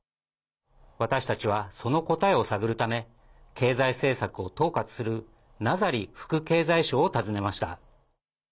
私たちは、その答えを探るため経済政策を統括するナザリ副経済相を訪ねました。